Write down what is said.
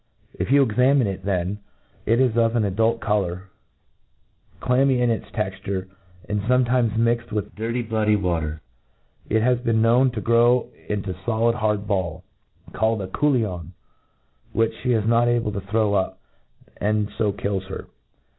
If you examine it then, it is of an aduft colour, clammy in its texture, and fometimes mixed with dirty bloody water. It has been known to grow into folid hard ball, called a culHon, which fhe is not able to throw up, and fo kills her.